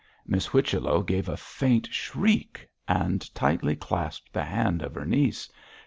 Miss Whichello gave a faint shriek, and tightly clasped the hand of her niece.